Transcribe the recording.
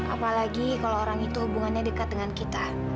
apalagi kalau orang itu hubungannya dekat dengan kita